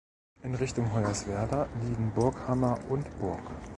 In Richtung Hoyerswerda liegen Burghammer und Burg.